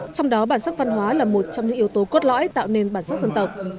trong đó bản sắc văn hóa là một trong những yếu tố cốt lõi tạo nên bản sắc dân tộc